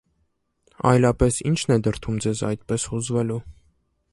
Այլապես ի՞նչն է դրդում ձեզ այդպես հուզվելու: